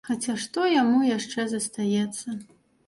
Хаця што яму яшчэ застаецца.